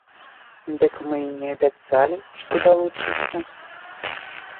Дык мы і не абяцалі, што далучымся.